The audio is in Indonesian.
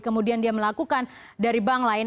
kemudian dia melakukan dari bank lain